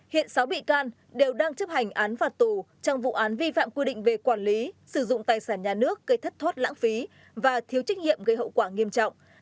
hiện sáu bị can đều đang chấp hành án phạt tù trong vụ án vi phạm quy định về quản lý sử dụng tài sản nhà nước gây thất thoát lãng phí và thiếu trách nhiệm gây hậu quả nghiêm trọng